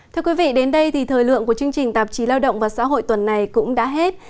thưa quý vị đến đây thì thời lượng của chương trình tạp chí lao động và xã hội tuần này cũng đã hết